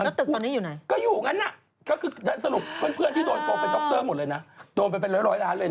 แล้วตึกตอนนี้อยู่ไหนก็อยู่งั้นน่ะก็คือสรุปเพื่อนที่โดนโกงเป็นดรหมดเลยนะโดนไปเป็นร้อยร้อยล้านเลยนะ